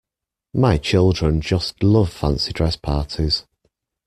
My children just love fancy dress parties